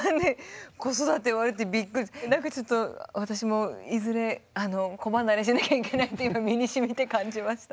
何かちょっと私もいずれ子離れしなきゃいけないと身にしみて感じました。